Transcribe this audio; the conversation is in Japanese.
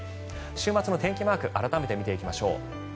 週末の天気マーク改めて見ていきましょう。